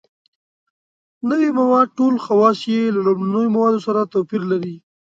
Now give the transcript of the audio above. نوي مواد ټول خواص یې له لومړنیو موادو سره توپیر لري.